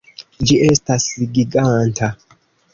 Ĝi estas giganta!